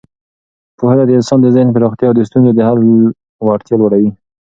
پوهنه د انسان د ذهن پراختیا او د ستونزو د حل وړتیا لوړوي.